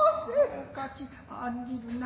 おかち案じるナ。